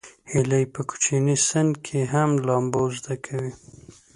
هیلۍ په کوچني سن کې هم لامبو زده کوي